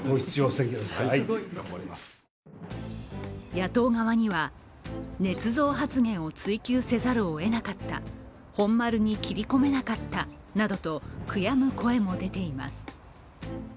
野党側には、ねつ造発言を追及せざるを得なかった、本丸に切り込めなかったなどと悔やむ声も出ています。